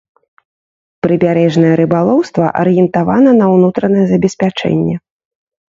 Прыбярэжнае рыбалоўства арыентавана на ўнутранае забеспячэнне.